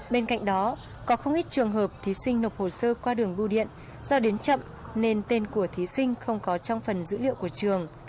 bên cạnh đó có không ít trường hợp thí sinh nộp hồ sơ qua đường bưu điện do đến chậm nên tên của thí sinh không có trong phần dữ liệu của trường